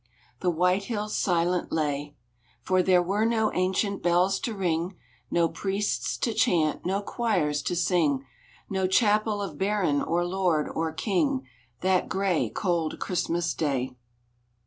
The white hills silent lay, For there were no ancient bells to ring, No priests to chant, no choirs to sing, No chapel of baron, or lord, or king, That gray, cold Christmas Day.